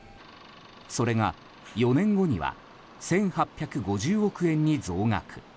それが４年後には１８５０億円に増額。